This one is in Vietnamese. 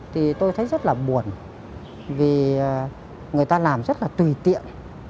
thì tôi thấy rất là buồn